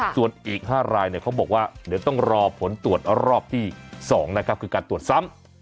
ส่วนอีก๕รายเขาบอกว่าเดี๋ยวต้องรอผลตรวจรอบที่๒นะครับคือการตรวจซ้ำ